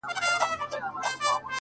د زړه لاسونه مو مات ، مات سول پسي،